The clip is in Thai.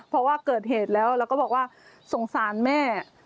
เพราะว่าเกิดเหตุแล้วแล้วก็บอกว่าสงสารแม่